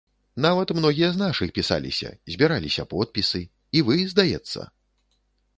Нават многія з нашых пісаліся, збіраліся подпісы, і вы, здаецца?